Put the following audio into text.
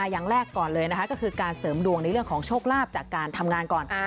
อย่างแรกก่อนเลยนะคะก็คือการเสริมดวงในเรื่องของโชคลาภจากการทำงานก่อน